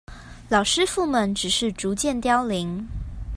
老師傅們只是逐漸凋零